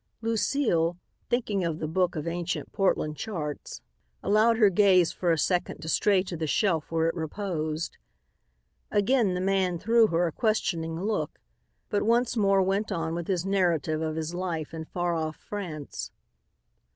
Lucile, thinking of the book of ancient Portland charts, allowed her gaze for a second to stray to the shelf where it reposed. Again the man threw her a questioning look, but once more went on with his narrative of his life in far off France.